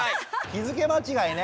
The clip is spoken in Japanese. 日付間違いね。